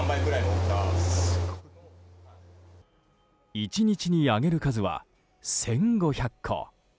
１日に揚げる数は１５００個。